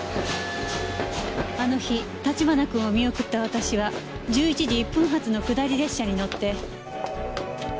あの日立花君を見送った私は１１時１分発の下り列車に乗って。